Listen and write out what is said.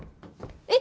えっ？